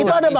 itu ada bang